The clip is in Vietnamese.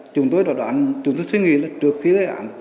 chúng tôi đã đoán chúng tôi suy nghĩ là trước khi gây án